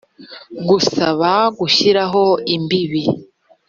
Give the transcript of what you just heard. gusaba gushyiraho imbibi